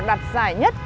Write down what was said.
đạt giải nhất của quý vị